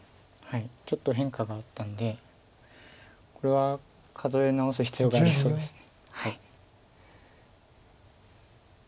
ちょっと変化があったんでこれは数え直す必要がありそうです。